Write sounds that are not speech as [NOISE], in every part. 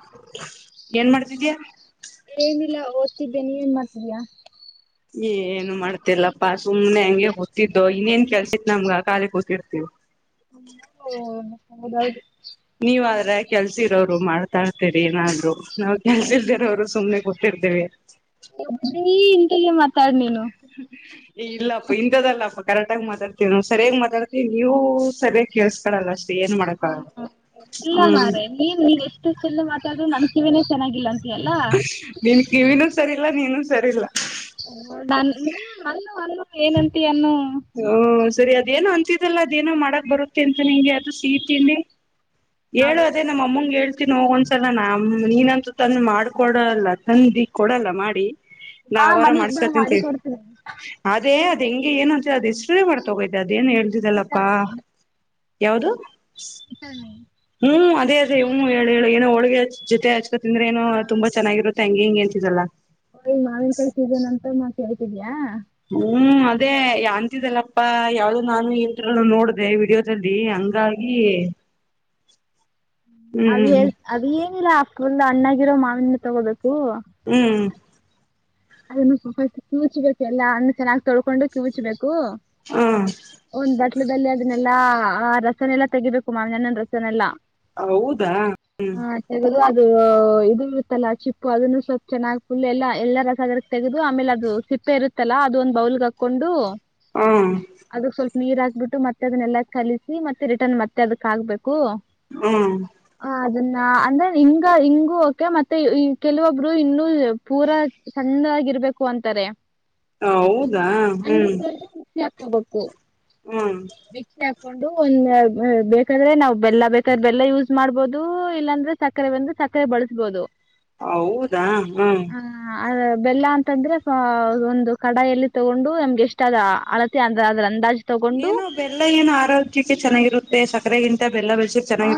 [UNINTELLIGIBLE] ಏನ್ ಮಾಡ್ತಿದೀಯ ತಿದ್ದೇ ನೀವೇಏನ್ ಮಾಡ್ತಿದೀಯಾ ಏ ಏನು ಮಾಡ್ತಿಲ್ಲಪ್ಪಾ ಸುಮ್ನೆ ಹಂಗೆ ಕೂತಿದ್ದು ಇನ್ನೇನ್ ಕೆಲ್ಸಿತ್ ನಮ್ಗ ಕಾಲಿಗ್ೂತಿರ್ತಿವಿ ಹ್ಮ್ಮ್ ಹೌದೌದು ನೀವ ಆದ್ರೆ ಕೆಲ್ಸಿರೋರು ಮಾಡ್ತಾ ಇರ್ತೀರಿ ಏನಾದ್ರು ನಾವ್ ಕೆಲ್ಸ ಇಲ್ದೆ ಇರೋವ್ರು ಸುಮ್ನೆ ಕೂ ಹಟ್ಟರ್ತೀವಿ ಹೆವಿ ಇಂಟೆಲಿಟ್ ಮತ್ ಏ ಇಲ್ಲಪ್ಪ ಇಂಥದಲ್ಲಪ್ಪ ಕರೆಕ್ಟ್ ಆಗಿ ಮಾತಾಡ್ತೀವಿ ನಾವು ಸರಿಯಾಗಿ ಮಾತಾಡ್ತಿವಿ ನೀವು ಸರಿಯಾಗಿ ಕೆಲ್ಸ್ಕೋಲಲ್ಲ ಅಷ್ಟೇ ಏನ್ ಹ ಮಾಡಕ್ಕಾಗಲ್ಲ ಇಲ್ಲ ಹ್ಮ್ ಮಾರೆ ನೀನ್ ನೀನ್ ಎಷ್ಟುಷ್ಟ ಚಂದ ಮಾತಾಡುದ್ರು ನಮ್ ಕಿವೇನೇ ಚೆನ್ನಾಗಿಲ್ಲಂತ ನಿನ್ ಕಿವಿನ ಸರಿ ಇಲ್ಲ ನೀನು ಸರಿಲ್ಲ ಓ ನೀವು ನನ್ನು ಅನ್ನು ಏನು ಉಂಟಿ ಅನ್ನು ಹ ಸರಿ ಅದೇನೋ ಅಂತಿದಲ್ಲ ಅದೇನೋ ಮಾಡಕ್ ಬರುತ್ತೆ ಅಂತ ನಿಂಗೆ ಅದು ಸಿಹಿತಿನ್ನಿ ಹೇಳುವ ಅದೇ ನಮ್ಮಮ್ಮಂಗೆ ಹೇಳ್ ಹೋಗ ಒಂದ್ಸಲ ನಮ ನೀನಂತೂ ತಂದ ಮಾಡ್ಕೊಡಲ್ಲ ತಂದ ಕೊಡಲ್ಲ ಮಾಡಿ ನಾ ಹಾ ಅವರ ಮನಿಗ್ ಬಾ ಮಾಡಕೊಡ್ತೀನಿ ಅದೆ ಅದ ಹೆಂಗಿ ಏನಾದ್ ಅದು ಎಷ್ಟೇ ಮತ್ತೊಗ್ ಅದು ಅ ಏನ್ ಹೇಳ್ತಿದ್ದಲ್ಲಪ್ಪಾ ಯಾವ್ದು ಹ ನೀ ಹ್ಮ್ ಅದೇ ಅದೇ ಹ್ಮ್ಮ್ ಹೇಳು ಹೇಳು ಏನೋ ಹೋಳಿಗೆ ಹಾಕ್ತಿದ್ ತಿಂದ್ರೇನು ತುಂಬಾ ಚೆನ್ನಾಗಿರುತ್ತೆ ಹೆಂಗೆ ಹೆಂಗೆ ಅಂತಿದಲ್ಲ ಹಯಿ ಮಾವಿನ ಕಡೆ ಸೀದ ನಂತ ಮತ್ತ ಕೇಳ್ತಿದೀಯಾ ಹ್ಮ್ ಅದೇ ಅಂತಿದಲ್ಲಪ್ಪಾ ಯಾವ್ದು ನಾನು ಇಂತ್ರಲ್ಲ ನೋಡ್ದ ವಿಡಿಯೋದಲ್ಲಿ ಡಿ ಹಂಗಾಗಿ ಅದ ಹ್ಮ್ ಹೇಳ ಅದ ಇಲ್ಲ ಆ ಫುಲ್ ಅಣ್ಣಾಗಿರೋ ಮಾವಿನ ತೊಗೋಬೇಕು ಹ್ಮ್ ಅದನ್ನುಸ್ಟ್ ಕ್ಯೂಚ್ಬೇಕು ಎಲ್ಲ ಅನ್ನ ಚೆನ್ನಾಗಿ ತೊಳ್ಕೊಂಡು ಕ್ಯೂಚ್ಬೇಕು ಕೂ ಹ್ಮ್ ಹ್ಮ್ ಅವ್ನ್ ಬಟ್ ಮಕ್ಕದಲ್ಲಿ ಅದನ್ನೆಲ್ಲಾ ಆ ರಸನೆಲ್ಲ ತಗಿಬೇಕು ಮಾವಿನಹಣ್ಣಿನ ರಸನೆಲ್ಲಾ ಹೌದಾ ಹ್ಮ ತೆಗೆದು ಇದು ಇರುತ್ತಲ್ಲ ಚಿಪ್ಪು ಅದನ್ನು ಸ್ವಲ್ಪ್ ಚೆನ್ನಾಗ್ ಫುಲ್ ಎಲ್ಲ ಎಲ್ಲ ರ ತೆೆಗೆದು ಆಮೇಲೆ ಅದು ಸಿಪ್ಪೆ ಇರುತ್ತಲ್ಲ ಅದು ಒಂದ ಬೌಲ್ಗೆ ಹಾಕೊಂಡು ಹಾ ನೀರ್ ಹಾಕ್ಬಿಟ್ಟು ಮತ್ತೆ ಅದನ್ನೆಲ್ಲಾ ಕಲಿಸಿ ಮತ್ತೆ ರಿಟರ್ನ್ ಮತ್ತೆ ಅದಕ್ ಆಗ್ಬೇಕು ಹು ಹ್ಮ್ ಹಾ ಅದು ಹ ಅಂದ್ರೆ ಹಿಂಗ ಹಿಂಗೂ ಕೆ ಮತ್ತೆ ಕೆಲವೊಬ್ರು ಇನ್ನುೂ ಪೂರಾ ಚಂದಾಗಿರ್ಬೇಕು ಅಂತಾರೆ ಹ ಹೌದಾ ಹ್ಮ್ ಬೇಕು ಹ್ಮ ಕೊಂಡು ಒಂದ ಬೇಕಾದ್ರೆ ನಾವ್ ಬೆಲ್ಲ ಬೇಕಾದ್ರೆ ಬೆಲ್ಲ ಯೂಸ್ ಮಾಡ್ಬೋದು ಇಲ್ಲಾಂದ್ರೆ ಸಕ್ಕರೆ ಬಂದ್ರೆ ಸಕ್ಕರೆ ಬಳಸ್ಬೋದು ಹೌದಾ ಹ್ಮ್ ಅದ ಬೆಲ್ಲ ಅಂತಂದ್ರೆ ಒಂದು ಕಡಾಯಲ್ಲಿ ತಗೊಂಡು ನಮ್ಗೆ ಎಷ್ಟಾದ ಅಳತಿ ಅಂದ್ರ ಅದ್ರ ಅಂದಾಜು ತಗೊಂಡು ಏನೋ ಬೆಲ್ಲ ಏನುೋ ಆರೋಗ್ಯಕ್ಕೆ ಚೆನ್ನಾಗಿರುತ್ತೆ ಸ ಇಂತ ಹಾ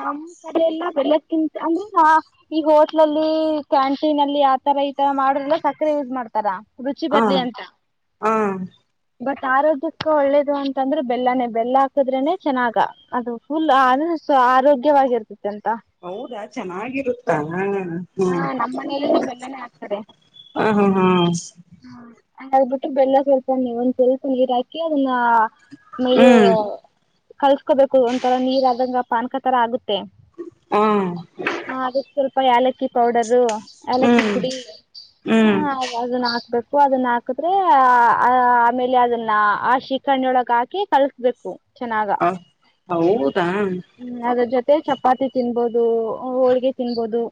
ನಮ್ಮ್ ಕಡೆಲ್ಲ ಎಲ್ಲಕ್ಕಿಂತ ಅಂದ್ರೆ ಈ ಹೋಟ್ಲಲ್ಲಿ ಕ್ಯಾಂಟೀನ್ ಅಲ್ಲಿ ಆತರ ಈತರ ಮಾಡ್ರಲ್ಲ ಸಕ್ಕರೆ ಯೂಸ್ ಮಾಡ್ತಾರ ರುಚಿ ಹ ಬರ್ಲಿ ಅಂತ ಹ ಬ ಆರೋಗ್ಯಕ್ಕ ಒಳ್ಳೇದು ಅಂತಂದ್ರೆ ಬೆಲ್ಲನೇ ಬೆಲ್ಲ ಹಾಕದ್ರೆನೆ ಚೆನ್ನಾಗ ಅದು ಫುಲ್ ಅನ ಆರೋಗ್ಯವಾಗಿರ್ತದೆ ಹೌದಾ ಚೆನ್ನಾಗಿರುತ್ತಾ ಹ ಹ್ಮ ಹ ಹಾ ಹಾ ಹ್ಬಿಟ್ಟ್ರ ಬೆಲ್ಲ ಸ್ವಲ್ಪೇ ಒಂದ್ ಸ್ವಲ್ಪ ನೀರ್ ಹಾಕಿ ಅದನ್ನ ಹ ಮರು ಹ್ಮ್ ಕಳ್ಸ್ಕೋಬೇಕು ಒಂಥರಾ ನೀರ್ ಆದಂಗ ಪಾನ್ಕ ತರ ಆಗುತ್ತ ಹ್ಮ್ ಹ ಆಲ್ಲ ಪೌಡರು ಏಲಕ್ಕಿ ಹ್ಮ್ ಪುಡಿ ಹ ಹ್ಮ್ ಅದು ಅದನ್ನು ಹಾಕ್ಬೇಕು ಉಪ್ಪು ಅದನ್ನ ಹಾಕಿದ್ರೆ ಆ ಆಮೇಲೆ ಅದನ್ನ ಆ ಶೀಖರ್್ಣಿಯೊಳಗ ಹಾಕಿ ಕಳ್ಸ್ಬೇಕು ಚೆನ್ನಾಗ ಹ ಹೌದಾ ಅದ್ರ ಜೊತೆ ಚಪಾತಿ ತಿನ್ಬೋದು ಹೋಳ್ಿಗೆ ತಿನ್ಬಹದು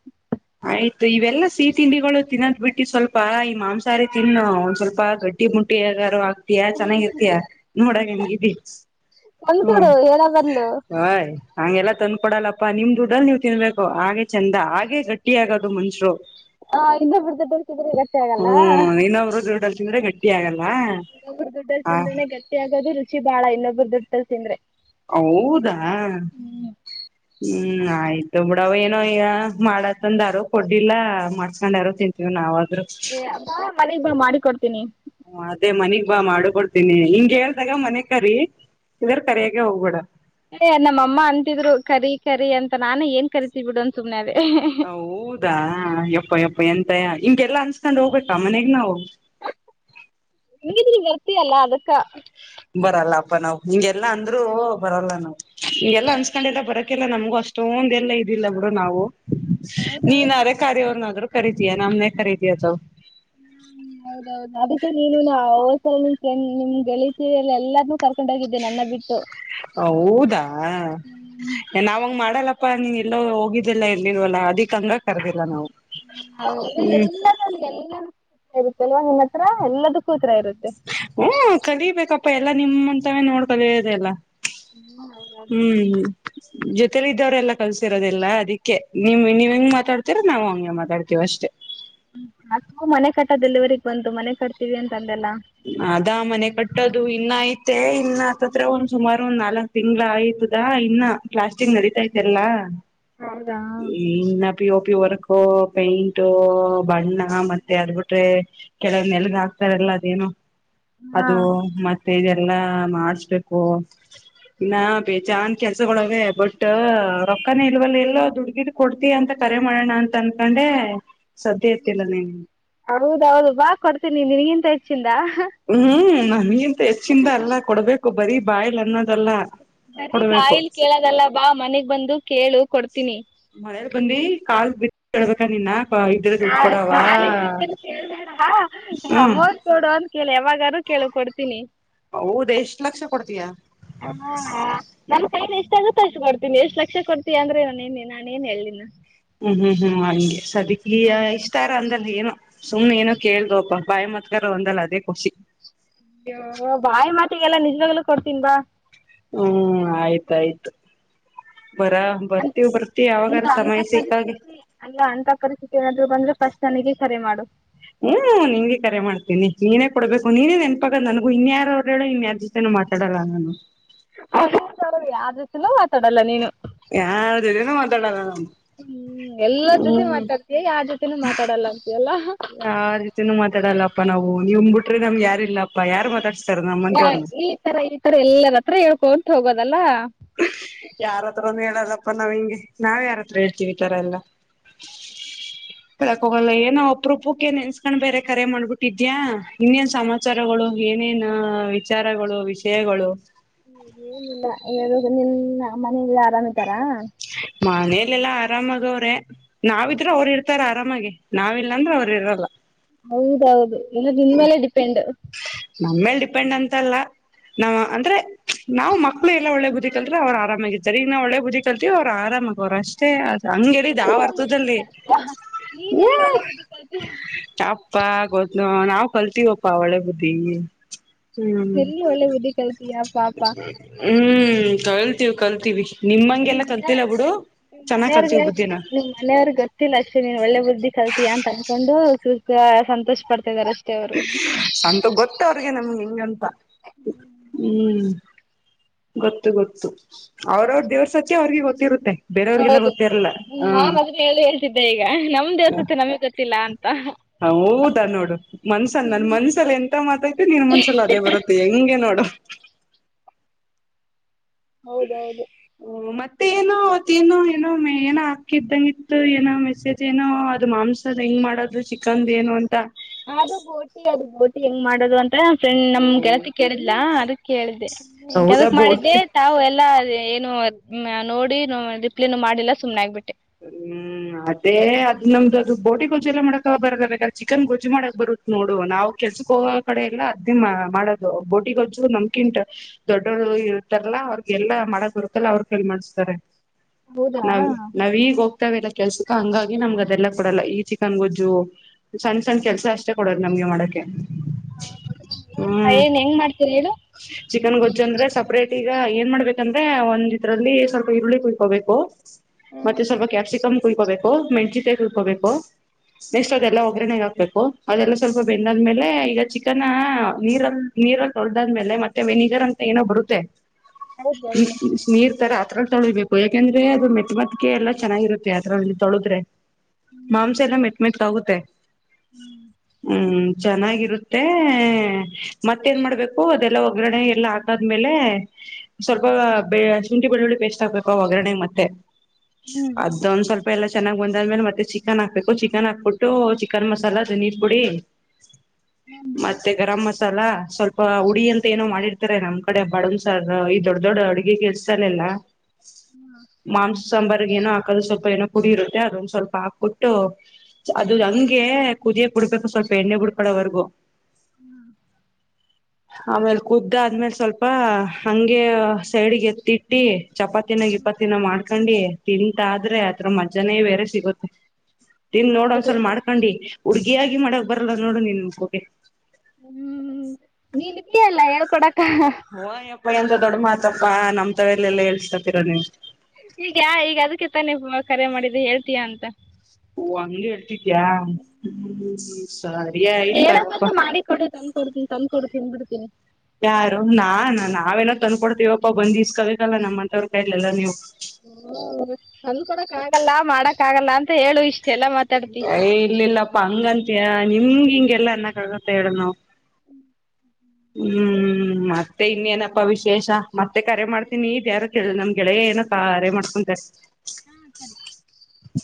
ಆಯ್ತು ಇವೆಲ್ಲ ಸಿಹಿ ತಿಂಡಿಗಳು ತಿನ್ನದ್ ಬಿಟ್ಟು ಸ್ವಲ್ಪ ಈ ಮಾಂಸಹಾರಿ ತಿನ್ನು ಒಂದ್ ಸ್ವಲ್ಪ ಗಡ್ಡಿ ಮುಂಟಿಾರ ತಯ ಚೆನ್ನಾಗಿರ್ತಯ ನೋಡ ಹಂಗಿ ಒಂದ್ಕೂಡು ಹೇಳಬದ್ಲು ಹ್ಮಯ್ ಹಂಗೆಲ್ಲ ತಂದ ಕೊಡಲ್ಲಪ್ಪಾ ನಿಮ್ ದುಡ್ಡಲ್ಲಿ ನೀವ್ ತಿನ್ಬೇಕು ಹಾಗೆ ಚಂದ ಹಾಗೆ ಆಗೋದು ಮನ್ಷರು ಹಾ ಇ ಬಿರ್ದರ್ತಿದ್ರೆ ಗಟ್ಟೆ ಆಗಲ್ಲ ಹ್ಮ್ ಇನ್ನೊಬ್ರು ದುಡ್ಡಲ್ ತಿಂದ್ರೆ ಗಟ್ಟಿ ಆಲ್ಲ ಊ ದುಡ್ಡ ತಿಂದ್ರನೆ ಗಟ್ಟಿ ಆಗೋದು ರುಚಿ ಚಿ ಬಾಳ ಇನ್ನೊಬ್ಬರ ದುಡ್ಡು ತಲ್ಸಿಂದ್ರೆ ಹೌದಾ ಹ್ಮ್ ಆಯ್ತ ಏನೋ ಈ ಮಾಡತ್ತಂದ ಯಾರೋ ಕೊಡ್ಲ್ಲ ಮಾಡ್ಸ್ಕೊಂಡ್ ಯಾರೋ ತಿಂತೀವಿ ನಾವವು ಮನಿಗ್ ಮಾಡಿ ಕೊಡ್ತೀನಿ ಹ ಅದೇ ಮನಗ್ ಬಾ ಮಾಡಕೊಡ್ತೀನಿ ಹ ಕೇಳ್ದಾಗ ಮನೆ ಕರಿ ಇದರ ಕರಿಯಾಗಕೆ ಹೋಗ್ಬೇಡ ಏ ನಮ್ಮ ಅಮ್ಮ ಅಂತಿದ್ರು ಕರಿ ಕರಿ ಅಂತ ನಾನೇ ಏನ್ ಕರಿತ್ಬಿಡು ಅಂದ ಸುಮನದೇ ಹ ಹಊದಾ ಎಪ್ಪ ಎಪ್ಪ ಎ ಯಾ ಹಿಂಗೆಲ್ಲ ಅನ್ಸ್ಕೊಂಡ್ ಹೋಗ್ಬೇಕಾ ಮನೆಗ್ ನಾವು [UNINTELLIGIBLE] ಬಾರ್ತಿಯ ಅಲ್ಲ ಅದಕ್ಕೆ ಬರಲ್ಲ ನಾವ್ ಹಿಂಗೆಲ್ಲಾ ಅಂದ್ರು ಬರಲ್ಲ ನಾವ್ ಹಗೆಲ್ಲ ಅನ್ಸ್ಕೊಂಡೆಲ್ಲ ಬರತ್ತೆ ಯಾಲ್ಲ ನಮಗೂ ಅಷ್ಟೊಂದ ಎಲ್ಲ ಇದಿಲ್ಲ ಬಿುಡು ನಾವು ನೀನಂದ್ರೆ ರೆ ಕಾರವ್ರನಾದ್ರು ಖರಿತಿಯ ನಮ್ಮನ್ ಯಾಕ್ ಖರಿದತ ಹಾ ಹೌದೌದು ಅದಕ್ಕೆ ನೀನು ನ ಹ್ಸಲ ನಿಮ್ ಫ್ರೆಂಡ್ ನಿಮ್ ಗೆಳೀತ ಎಲ್ಲ ಎಲ್ಲಾರ್ನು ಕರ್ಕೊಂಡೋಗಿದ್ದೇನೆ ನನ್ನ ಬಿಟ್ಟು ಹೌದಾ ನಾವ ಹಂಗ ಮಾಡಲ್ಲ ಪ್ಪಾ ನೀ ಎಲ್ಲ ಹೋಗಿದ್ದಿಲ್ಲ ಎಲ್ಲಿವಲ್ಲ ಅದಿಕ್ ಹಂಗ ಕರ್ದಿಲ್ಲ ನಾವು ಹ ಹೌದ ಹ್ಮ್ ಎಲ್ಲಲ್ಲಿ ಎಲ್ಲ ಇರುತ್ತೆ ಅಲ್ವ ನಿನ್ನ ಹತ್ರ ಎಲ್ಲದಕೂ ಉತ್ರಾ ಇರುತ್ತೆ ಹಓ ಕಲಿಬೇಕಪ್ಪ ಅಪ್ಪ ಎಲ್ಲಾ ನಿಮ್ಮಂತವೇ ನೋಡ್ಕಲದೆಲ್ಲ ಹ್ಮ್ ಹೌದು [UNINTELLIGIBLE] ಜೊತೆೇಲಿ ಇದ್ದವ್ರೆಲ್ಲಾ ಕಲ್ಸಿರೋದಿಲ್ಲ ಅದಿಕ್ಕೆ ನಿಮ್ ನೀವ ಹೆಂಗ ಮಾತಾಡ್ತಿರಾ ನಾವ್ ಹಂಗ ಮಾತಾಡ್ತೇವ ಅಷ್ಟೇ ನಾ ಮನೆ ಕಟ್ಟದೆಲ್ಲಿವರಿಗೆಗ್ ಬಂತು ಮನೆ ಕಟ್ತೀವಿ ಅಂತ ಅಂದೆಲ್ಲ ಅದಾ ಮನೆ ಕಟ್ಟದು ಇನ್ನ ಆಯ್ತು ಮತ್ತೆ ಇನ್ನತ್ತತ್ರ ಒಂದ್ ಸುಮಾರು ಒಂದ್ ನಾಲ್ಕ್ ತಿಂಗ್ಳ ಆಯ್ತದಾ ಇನ್ನ ಪ್ಲ್ಯಾಸ್ಟ್ರಿಂಗ್ ನಡತೈತೆಲ್ಲಾ ಹೌದಾ ಪಿ ಓಪಿ ವರ್ಕ್ ಪೇಂಟ್ ಬಣ್ಣ ಮತ್ತೆ ಅದ ಬಿಿಟ್ರೆ ಕೆಳಗ್ ನೆಲಗ ಹಾಕ್ತಾರಲ್ಲ ಅದೇನೋ ಹಾ ಅದು ಮತ್ತೆ ಇದೆಲ್ಲ ಎಲ್ಲ ಮಾಡಸ್ಬೇಕು ಇನ್ನ ಬೇಜಾನ್ ಕೆಲ್ಸಗಳಾವೆ ಬಟ್ ರೊಕ್ಕನೆ ಇಲ್ವಲ್ಲ ಎಲ್ಲ ದುಡ್ ಕೊಡ್ತೀ ಅಂತ ಕರೆ ಮಾಡೋಣ ಅಂತ ಅನ್ಕೊಂಡೆ ಸದ್ಯ ಎತ್ತಿಲ್ಲ ನೀನು ಹೌದೌದು ಬಾ ಕೊಡ್ತೀನಿ ನಿನ್ಗಿಂತ ಚಿಂದ ಹ್ಮ್ ನಿನಗಿಂತ ಹೆಚ್ಚಿಂದ ಅಲ್ಲ ಕೊಡ್ಬೇಕು ಬರೀ ಬಾಯಲ್ ಅನ್ನೋದಲ್ಲ ಬರಿ ಕೊಡ್ಬೇಕು ಬಾಯಲ್ ಕೇಳದಲ್ಲ ಬಾ ಮನೆಗ್ ಬಂದು ಕೇಳು ಕೊಡ್ತೀನಿ ಕೇಳಬೇಕಾ ನಿನ್ನ ಇದ್ರ ದುಡ್ಡು ಕಾಲ್ ಕೊಡವ ಕಾಲಿಗ ಬಿದ್ದೆನು ಕೇಳಬೇಡ ಹ್ಮ್ ಅಮೌಂಟ್ ಕೊಡು ಅಂತ ಕೇಳ್ ಯಾವಾಗ ದು ಕೇಳು ಕೊಡ್ತೀನಿ ಹೌದ್ ಎಷ್ಟ್ ಲಕ್ಷ ಕೊಡ್ತೀಯ ಹ ನನ್ ಕೈಲಿ ಎಷ್ಟಾಗುತ್ತೋ ಅಷ್ಟು ಕೊಡ್ತೀನಿ ಎಷ್ಟು ಲಕ್ಷ ಕೊಡ್ತೀಯಾ ಅಂದ್ರೆ ನಾನೇನ್ ನಾನ ಏನ್ ಹೇಳ್ಲಿ ಇನ್ನ ಹ್ಮ್ ಹ್ಮ್ ಹ್ಮ್ ಹಂಗೆ ಸದಕ್ಯಾ ಇಷ್ಟಾರ ಅಂದ್ರ ಏನು ಸುಮ್ನೆ ಏನೋ ಕೇಳ್ದಪ್ಪ ಬಾಯಿ ಮತ್ಗಾರ ಅಂದಲ್ಲ ಅದೇ ಖುಷಿ ಬಾಯಿ ಮಾತಿಗೆಲ್ಲಾ ನಿಜವಾಗಲೂ ಕೊಡ್ತೀನ್ ಬಾ ಹ್ಮ್ ಆಯ್ತಾಯ್ತು ಬರ ಬರ್ತೀವ್ ಬರ್ತಿವಿ ಅಂತ ಯಾವಾಗಾರ ಅಂತ ಸಮಯ ಸಿಕ್ಕಾಗೆ ಪರಿಸ್ಥಿತಿ ಅಲ್ಲ ಅಂತ ಪರಿಸ್ಥಿತಿ ಏನಾದ್ರು ಬಂದ್ರೆ ಫಸ್ಟ್ ನನಗೆ ಕರೆ ಮಾಡು ಹ್ಮ್ ನಿನ್ಗೆ ಕರೆ ಮಾಡ್ತೀನಿ ನೀನೇ ಕೊಡ್ಬೇಕು ನೀನೇ ನೆನ್ಪಾಗ ನನಗು ಇನ್ ಯಾರ ಅವ್ರರು ಹೇಳು ಇನ್ಯಾರ್ ಜೊತೆೇನು ಮಾತಾಡಲ್ಲ ನಾನು ಅದು ಕರೆನೆ ಯಾರ ಜೊತೆನೂ ಮಾತಾಡಲ್ಲ ನೀನು ಯಾರ್ ಜೊತೆನೂ ಮಾತಾಡಲ್ಲ ನಮ ಹ್ಮ್ ಎಲ್ಲರ ಜೊತೆ ಮಾತಾಡ್ತೀಯಾ ಯಾರ್ ಜೊತನೂ ಮಾತಾಡಲ್ಲ ಅಂತಿಯಲ್ಲ ಹ ನಿಮ ಬಿಟ್ರೆ ನಮ್ಗೆ ಯಾರಿಲ್ಲಾಪ್ಪ ಯಾರು ಮಾತಾಡಸಸ್ತಾರ ನಮ್ಮಂತೌರ್ಣ ಹೋಗೋದಲ್ಲಾ ಯಾರತ್ರನು ಹೇಳಲ್ಲ ನಾವ್ ಹಿಂಗೆ ನಾವ್ ಯಾರತ್ರ ಹೇಳ್ತಿವಿ ಈ ತರ ಎಲ್ಲಾ ಹೇಳಕ್ ಹೋಗಲ್ಲ ಏನೋ ಅಪ್ರೂಪಕ್ಕೆ ನೆನ್ಸ್ಕೊಂಡ್ ಬೇರೆ ಕರೆ ಮಾಡ್ಬಿಟ್ಟಿದ್ಯಾ ಇನ್ನೇನ್ ಸಮಾಚಾರಗಳು ಏನೇನ್ ವಿಚಾರಗಳು ವಿಷಯಗಳು ಏನಿಲ್ಲ ಹೇಳುದು ನಿನ್ ಮನೇಲೆಲ್ಲ ಆರಾಮ್ ಇದಾರ ಮನೇಲ್ಲಲ್ಲ ಅರಾಮಗ ಅವರ ನಾವ್ ಇದ್ರೆ ಅವ್ರು ಇರ್ತಾರ ಆರಾಮಾಗೆ ನಾವಿಲ್ಲಾಂದ್ರೆ ಅವ್ರ್ ಇರಲ್ಲ ಹೌದೌದು ಇನ್ನ ನಿನ್ ಮೇಲೆ ಡಿಪೆಂಡ್ ನಮ್ಮೇಲ್ ಡಿಪೆಂಡ್ ಅಂ ಅಂತಲ್ಲ ನಾವ ಅಂದ್ರೆ ನಾವು ಮಕ್ಳು ಎಲ್ಲ ಒಳ್ಳೆ ಬುದಿ ಕಲ್ತ್ರೆ ಅವ್ರು ಆರಾಮಾಗಿ ಜರಿಗ ನಾ ಒಳ್ಳೆ ಬುದಿ ಕಲ್ತೀವಿ ಅವ್ರು ಆರಾಮಾಗ ಅವ್ರ್ ಅಷ್ಟೇ. ಹಂಗೆಳಿದ್ ಆವ ಅರ್ತದಲ್ಲಿ ಹೂ ತಪ್ಪಾಗೋತ್ ನೋಡ್ ನಾವ್ ಕಲ್ತೀವಪ್ಪ ಒಳ್ಳೆ ಬುದ್ದಿ ಹ್ಮ್ ಎಲ್ಲಿ ಒಳ್ಳೆ ಬುದ್ಧಿ ಕಲ್ತೀಯಾ ಪಾಪ ನಿಮ್ ಹ್ಮ್ ಕಲ್ತೀವಿ ಕಲ್ತೀವಿ ನಿಮ್ಮಂಗೆಲ್ಲ ನಿಮ್ ಕಲ್ತಿಲ್ಲ ಮನೆಗ್ ಬಿಡು ನಿಮ್ ಚೆನ್ನಾಗ್ ಕಲ್ತೀವಿ ಮನೆಯವ್ರಗೆ ಬುದ್ಧಿನ ನಿಮ್ ಮನೆಯವ್ರಗ್ ಗೊತ್ತಿಲ್ಲ ಅಷ್ಟೆ ನೀನು ಒಳ್ಳೆ ಬುದ್ಧಿ ಕಲ್ತಿಯಾ ಅಂತನ್ಕೊಂಡು ಸುಖ ಸಂತೋಷ ಪಡ್ತ ಇದಾರೆ. ಅಷ್ಟೇ ಅವರು ಅಂತ ಗೊತ್ ಅವ್ರಿಗೆ ನಮ್ಗೆ ಹೆಂಗಂತ ಹ್ಮ್ ಗೊತ್ತು ಗೊತ್ತು ಅವ್ರವ್ರ ದೇವ್ರಸತ್ಯ ಅವ್ರಿಗೆ ಗೊತ್ತಿರುತ್ತೆ. ಬೇರೆಯವ್ರಿಗೆಲ್ಲ ಹೌದು ಗೊತ್ತಿರಲ್ಲ ನಾ ಹ ಅದನ್ನ ಹೇಳಿ ಹೇಳ್ತಿದ್ದೆ ಈಗ ನಮ್ ದೇವರ್ ಸತ್ಯ ನಮ್ಗ್ ಗೊತ್ತಿಲ್ಲ ಅಂತ ಹೌದಾ ನೋಡು ಮನ್ಸನ್ ನನ್ ಮನ್ಸಲ್ ಎಂತ ಮಾತಯ್ತಿು ನಿನ್ ಮನ್ಸಲ್ ಅದೇ ಬರುತ್ತೆ ಹೆಂಗೆ ನೋಡು ಹೌದೌದು ತ್ತೇನೋ ತಿನ್ನೋ ಏನೋ ಮ ಏನೋ ಹಾಕಿದ್ದಂಗ್ ಇತ್ತು ಏನೋ ಮೆಸೇಜ್ ಏನೋ ಅದು ಮಾಂಸದ ಹೆಂಗ್ ಮಾಡೋದು ಚಿಕನ್ದ್ ಏನೋ ಅಂತ. ಅದು ಬೋಟಿ ಅದು ಬೋಟಿ ಹೆಂಗ್ ಮಾಡೋದು ಅನ್ ನ ಫ್ರೆಂಡ್ ನಮ್ ಗೆಳತಿ ಕೇಳಿದ್ಲಾ ಅದಕ್ ಕೇಳಿದ್ದೆ ಹೌದಾ ಕೆದಕ್ ಬೋಟ್ ಮಾಡಿದ್ದೆ ತಾವು ಎಲ್ಲ ಏನು ಅದ್ ನೋಡಿ ರಿಪ್ಲೇನು ಮಾಡಿಲ್ಲ ಸುಮನೆ ಆಗ್ಬಿಟ್ಟೆ ಹ್ಮ್ ಅದೇ ಅದ್ ನಮ್ದು ಅದು ಬೋಟಿ ಗೊಜ್ಜು ಎಲ್ಲ ಮಾಡಕ ಬರ ಬೇಕಾರೆ ಚಿಕನ್ ಗೊಜ್ಜು ಮಾಡಕ್ ಬರುತ್ ನೋಡು ನಾವ್ ಕೆಲ್ಸಕ್ ಹೋಗ ಕಡೆ ಎಲ್ಲಾ ಅದ್ದಿ ಮಾಡೋದು ಬೋಟಿ ಗೊಜ್ಜು ನಮ್ಕಿಂತ ದೊಡ್ಡರು ಇರ್ತಾರಲ್ಲಾ ಅವ್ರಗೆಲ್ಲಾ ಮಾಡಕ್ ಬರುತ್ತಲ್ಲ ಅವ್ರ ಕೈಲ್ ಮಾಡ್ಸ್ತಾರೆ. ಹೌದಾ ಗ್ ಹೋಗ್ತಾವಲ್ಲ ಕೆಲ್ಸಕ ಹಂಗಾಗಿ ನಮ್ಗೆ ಅದೆಲ್ಲ ಕೊಡಲ್ಲ ಈ ಚಿಕನ್ ಗೊಜ್ಜು ಸಣ್ಣ ಸಣ್ಣ್ ಕೆಲ್ಸ ಅಷ್ಟೇ ಕೊಡದ್ ನಮ್ಗೆ ಮಾಡಕ್ಕೆ ಹ್ಮ ಏನ್ ಹೆಂಗ್ ಮಾಡ್ತೀರಿ ಹೇಳು ಚಿಕನ್ ಗೊಜ್ಜು ಅಂದ್ರೆ ಸಪ್ರೇಟ್ ಈಗ ಎ ನ್ ಮಾಡ್ಬೇಕಂದ್ರೆ ಒಂದ್ ಇದ್ರಲ್ಲಿ ಸ್ವಲ್ಪ ಈರುಳ್ಳಿ ಕುಯ್ಕೋಬೇಕು ಮತ್ತೆ ಸ್ವಲ್ಪ ಕ್ಯಾಪ್ಸಿಕಮ್ ಕುಯ್ಕೋಬೇಕು ಮೆಣ್ಸಿನ್ಕಾಯ್ ಕುಯ್ಕೋಬೇಕು ನೆಕ್ಸ್ಟ್ ಅದೆಲ್ಲ ಒಗ್ಗರಣೆ ಹಾಕ್ಬೇಕು ಅದೆಲ್ಲ ಸ್ವಲ್ಪ ಬೆಂದಾದ್ಮೇಲೆ ಈಗ ಚಿಕನ್ ನೀರ ನೀರಲ್ಲಿ ತೊಳ್ದಾದ್ಮೇಲೆ ಮತ್ತೆ ವೆನಗರ್ ಅಂತ ಏನೋ ಬರುತ್ತೆ ಹೌದಲ್ರಿ ನೀರ್ ತರ ಅದ್ರಲ್ ತೊಳಿಬೇಕು. ಹ ಯಾಕಂದ್ರೆ ಅದು ಮೆಟ್ಟ್ ಮೆತ್ ಕೆ ಎಲ್ಲ ಚೆನ್ನಾಗಿರುತ್ತೆ ಅದ್ರಲ್ಲಿ ತೊಳುದ್ರೆ ಮಾಂಸ ಎಲ್ಲ ಮೆಟ್ ಮೆಟ್ ಆಗುತ್ತೆ ಹ್ಮ್ ಚೆನ್ನಾಗಿರುತ್ತೆ ಮತ್ತೇನ್ ಮಾಡ್ಬೇಕು ಅದೆಲ್ಲ ಒಗ್ಗರಣೆ ಎಲ್ಲಾ ಹಾಕಾದ್ಮೇಲೆ ಸ್ವಲ್ಪ ಶುಂಠಿ ಬೆಳ್ಳುಳ್ಳಿ ಪೇಸ್ಟ್ ಹಾಕ್ಬೇಕು ಒಗ್ಗರಣೆಗ್ ಮತ್ತೆ ಅದ ಒಂದ್ ಸ್ವಲ್ಪ ಎಲ್ಲ ಚೆನ್ನಾಗ್ ಬಂದಾದ್ಮೇಲೆ ಮತ್ತೆ ಚಿಕನ್ ಹಾಕ್ಬೇಕು ಚಿಕನ್ ಹಾಕ್ಬಿಟ್ಟು ಚಿಕನ್ ಮಸಾಲ ದಧನಿ ಪುಡಿ ಮತ್ತೆ ಗರಮಸ ಲ್ಲ ಸ್ವಲ್ಪ ಉಡಿ ಅಂತ ಏನೋ ಮಾಡಿ ನಮ್ ಕಡೆ ಬಡಂದ್ ಸರ್ ಈ ದೊಡ್ಡ ದೊಡ್ಡ ಅಡುಗೆ ಕೆಲ್ಸಲ್ಲೆಲ್ಲಾ ಮಾಂಸ ಸಾಂಬಾರಿಗೆ ಏನೋಾಕೋದು ಸ್ವಲ್ಪ ಏನೋ ಪಡಿರುತ್ತೆ ಅದೊಂದು ಸ್ವಲ್ಪ ಹಾಕ್ಬಿಟ್ಟು ಅದು ಹಂಗೆ ಕುದಿಯ ಕು ಬಿಡ್ಬೇಕು ಸ್ವಲ್ಪ ಎಣ್ಣೆ ಬಿಡ್ಕಳೋವರ್ಗೂ ಹ್ಮ್ ಆಮೇಲ್ ಕುದ್ದಾದ ಆದ್ಮೇಲೆ ಸ್ವಲ್ಪ ಹಂಗೆ ಸೈಡ್ಿಗೆ ಎತ್ತಿಟ್ಟಿ ಚಪಾತಿನಾಗ ಇಪತ್ತಿನ ಮಾಡ ಹಕಂಡಿ ತಿಂತಾದ್ರೆ ಅದ್ರ ಮಜ್ಜಾನೇ ಬೇರೆ ಸಿಗುತ್ತೆ ತಿನ್್ ನೋಡ್ ಒಂದ್ಸಲ ಮಾಡ್ಕೊಂಡಿ ಹುಡ್ಗಿಯಾಗಿ ಮಾಡಕ್ ಬರಲ್ಲ ನೋಡುಣನ್ಮಗೋಗೆ ಹ್ಮ್ ನೀನ್ ಬಿಿಯಲ್ಲ ಹೇಳ್ಕೊಡಕ್ ಹಾ ಮಮ್ಮಯಂತ ದೊಡ್ಡ ಮಾತಪ್ಪಾ ನಮ್ ತವಲ್ಲ ಎಲ್ಲಾ ಎೇಸ್ತಾತೀರ ನೀವು ಈಗ ಯ ಈಗ ಅದಕ್ಕೆ ತ ನೀವು ಕರೆ ಮಾಡಿದ್ದ ಹೇಳ್ತೀಯಾ ಅಂತ ಅಂದ [INAUDIBLE] ಹೇಳ ಬಂತ ಮಾಡಿ ಕೊಡಿ ತಂದ್ ಕೊಡ್ತನಿ ತಂದ್ ಕೊಡ್ತೀನಿ ತಿನ್ ಬಿಿಡ್ತೀನಿ ಯಾರು ನಾಾನ ನಾವೆಲ್ಲ ತಂದ್ಕೊಡ್ತೀವಪ್ಪ ಬಂದ ಕವಿ ಕಲ್ಲ ನಮ್ಮಂತವ್ರ ಕ ಎಲ್ಲ ನೀವು ಹ ಅಂದ್ಕಡಕ್ ಆಗಲ್ಲ ಮಾಡಕ್ ಆಗಲ್ಲ ಅಂತ ಹೇಳು ಇಷ್ಟ ಯ ಇಲ್ಲಿಲ್ಲಪ್ಪ ಹಂಗಂತಯ ನಿಮ್ಗೆ ಹಿಂಗೆಲ್ಲಾ ಅನ್ನಕ್ಕ ಆಗತ್ತೆ ಹೇಳು ನಾವವು ಹ್ಮ ಹ್ಮ್ ಮತ್ತೆ ಇನ್ನೇನಪ್ಪಾ ವಿಶೇಷ ಮತ್ತೆ ಕರೆ ಮಾಡ್ತೀನಿ ನೀ ಯಾರ ಕೇಳ ನಮ್ ಗೆಳೆಯ ಏನ ಕರೆ ಮಾಡ್ಕೊಂತಾರೆ ಹ